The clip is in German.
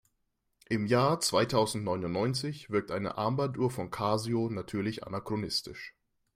Im Jahr zweitausendneunundneunzig wirkt eine Armbanduhr von Casio natürlich anachronistisch.